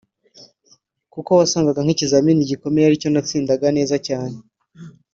kuko wasangaga nk’ikizamini gikomeye aricyo natsindaga neza cyane